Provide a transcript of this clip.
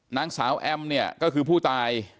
นางสาวแอมเนี่ยก็คือผู้ตาย